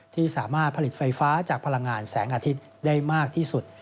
ที่สามารถผลิตไฟฟ้าจากพลังงานแสงอาทิตย์ได้มากที่สุด